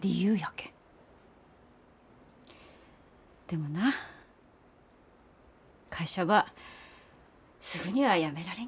でもな会社ばすぐにはやめられんけん。